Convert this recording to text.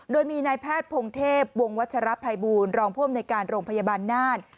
โดยมีนายแพทย์พงเทพวงวัชรภัยบูรณรองผู้อำนวยการโรงพยาบาลน่าน